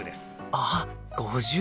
あっ５０。